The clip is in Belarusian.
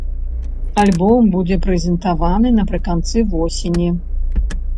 Альбом будзе прэзентаваны напрыканцы восені.